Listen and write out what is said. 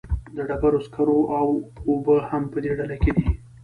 د ډبرو سکاره او اوبه هم په دې ډله کې دي.